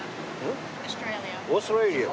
オーストラリア。